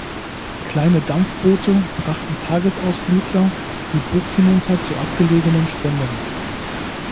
Kleine Dampfboote brachten Tagesausflügler die Bucht hinunter zu abgelegenen Stränden.